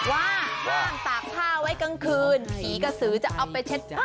ว่าห้ามตากผ้าไว้กลางคืนผีกระสือจะเอาไปเช็ดผ้า